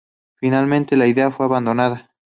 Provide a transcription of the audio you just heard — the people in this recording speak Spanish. Finalmente, la idea fue abandonada.